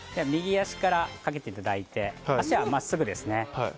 右足からかけていただいて、足は真っすぐですね。